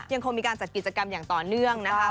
ยังคงมีการจัดกิจกรรมอย่างต่อเนื่องนะคะ